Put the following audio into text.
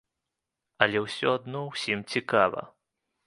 Але ўсё адно ўсім цікава.